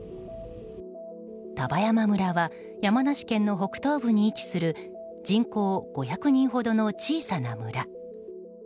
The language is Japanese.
丹波山村は山梨県の北東部に位置する人口５００人ほどの小さな村。